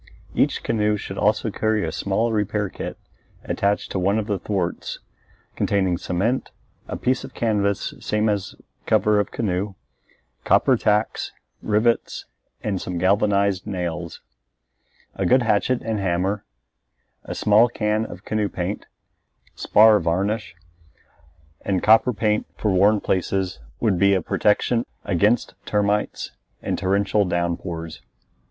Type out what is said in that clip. Each canoe should also carry a small repair kit attached to one of the thwarts, containing cement, a piece of canvas same as cover of canoe, copper tacks, rivets, and some galvanized nails; a good hatchet and a hammer; a small can of canoe paint, spar varnish, and copper paint for worn places would be a protection against termites and torrential downpours.